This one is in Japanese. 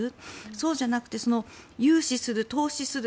そうじゃなくて融資する投資する。